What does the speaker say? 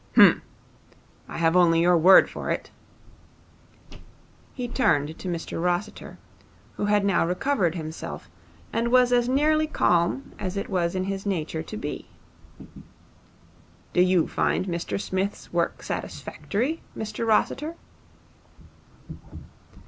'H'm. I have only your word for it.' He turned to Mr Rossiter, who had now recovered himself, and was as nearly calm as it was in his nature to be. 'Do you find Mr Smith's work satisfactory, Mr Rossiter?'